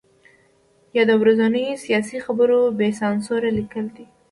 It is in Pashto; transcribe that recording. یا د ورځنیو سیاسي خبرو بې سانسوره لیکل دي.